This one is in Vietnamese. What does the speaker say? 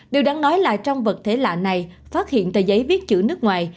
điều đáng nói là trong vật thể lạ này phát hiện tờ giấy viết chữ nước ngoài